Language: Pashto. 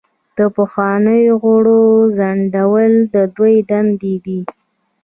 د پخوانیو غړو ځنډول د دوی دندې دي.